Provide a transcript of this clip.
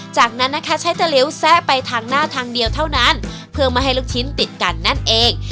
จากนั้นนะคะใช้ตะลิ้วแซะไปทางหน้าทางเดียวเท่านั้นเพื่อไม่ให้ลูกชิ้นติดกันนั่นเอง